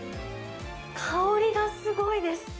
香りがすごいです。